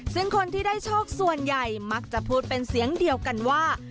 ซึ่งคนที่ได้โชคส่วนใหญ่มักจะพูดเป็นเสียงเดียวกันว่า